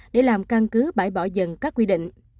để làm căn cứ bãi bỏ dần các quy định